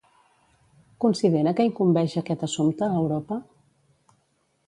Considera que incumbeix aquest assumpte a Europa?